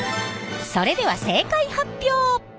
それでは正解発表！